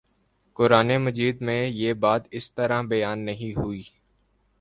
قرآنِ مجید میں یہ بات اس طرح بیان نہیں ہوئی